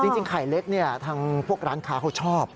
จริงไข่เล็กเนี่ยทางพวกร้านค้าเขาชอบ